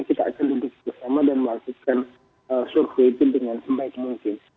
kita akan duduk bersama dan melakukan survei itu dengan sebaik mungkin